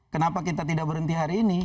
kenapa kita tidak berhenti hari ini